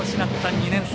２年生